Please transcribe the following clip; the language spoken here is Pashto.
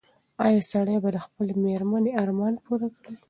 ایا سړی به د خپلې مېرمنې ارمان پوره کړي؟